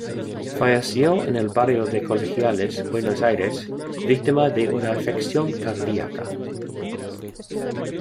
Falleció en el barrio de Colegiales, Buenos Aires, víctima de una afección cardíaca.